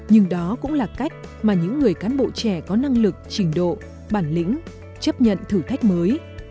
nhưng đó cũng là cách mà những người cán bộ trẻ có năng lực trình độ bản lĩnh chấp nhận thử thách mới